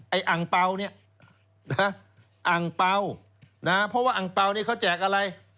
ไอ้อังเป้านี่อังเป้าเพราะว่าอังเป้านี่เขาแจกอะไร